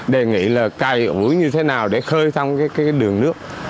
đề nghị là cài mũi như thế nào để khơi thông cái đường nước